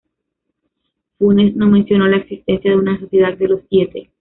Funes no mencionó la existencia de una Sociedad de los Siete.